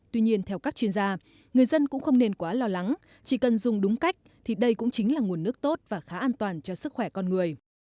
tuy nhiên theo các chuyên gia người dân cũng không nên quá lo lắng chỉ cần dùng đúng cách thì đây cũng chính là nguồn nước tốt và khá an toàn cho sức khỏe con người